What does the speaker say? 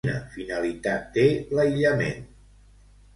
Quina finalitat té l'aïllament?